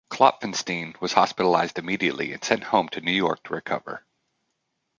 Klopfenstein was hospitalized immediately, and sent home to New York to recover.